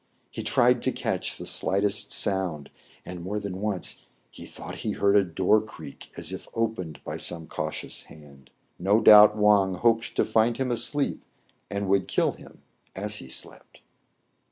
He tried to catch the slightest sound, and more than once he thought he heard a door creak as if opened by some cau tious hand. No doubt Wang hoped to find him asleep, and would kill him as he slept.